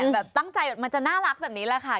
แบบตั้งใจมันจะน่ารักแบบนี้แหละค่ะ